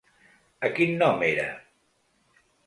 A quin nom era?